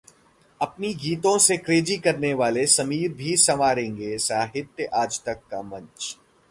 अपने गीतों से क्रेजी करने वाले समीर भी संवारेंगे साहित्य आजतक का मंच